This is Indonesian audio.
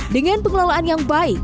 dengan pengelolaan yang baik